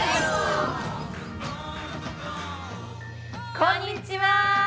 こんにちは。